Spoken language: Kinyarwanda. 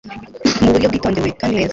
muburyo bwitondewe kandi neza